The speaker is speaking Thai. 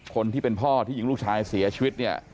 คนที่เป็นพ่อที่ยิงลูกชายเสียชีวิตเนี่ย